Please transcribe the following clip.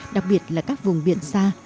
đặc biệt là các vùng biển xa